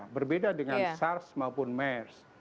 berbeda dengan sars maupun mers